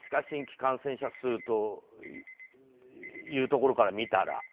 新規感染者数というところから見たら。